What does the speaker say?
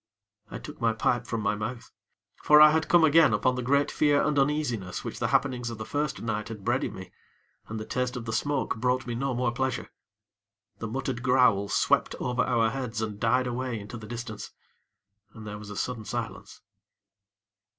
I took my pipe from my mouth; for I had come again upon the great fear and uneasiness which the happenings of the first night had bred in me, and the taste of the smoke brought me no more pleasure. The muttered growl swept over our heads and died away into the distance, and there was a sudden silence.